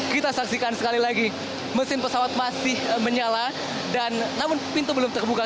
kita saksikan sekali lagi mesin pesawat masih menyala dan namun pintu belum terbuka